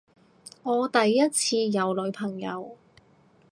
我第一次有女朋友